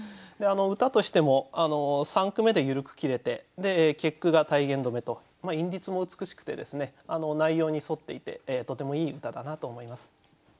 歌としても三句目で緩く切れて結句が体言止めと韻律も美しくて内容に沿っていてとてもいい歌だなと思います。